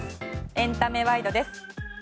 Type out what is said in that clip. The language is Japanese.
エンタメワイドです。